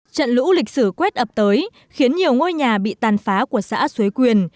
trận lũ lịch sử quét ập tới khiến nhiều ngôi nhà bị tàn phá của xã xuế quyền